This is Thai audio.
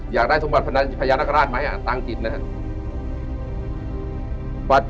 อยากได้สมบัติพญานาคาราชไหมตังค์กินนะครับ